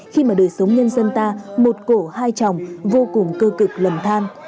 khi mà đời sống nhân dân ta một cổ hai tròng vô cùng cơ cực lầm than